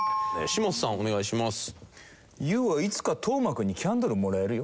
ＹＯＵはいつか斗真君にキャンドルもらえるよ。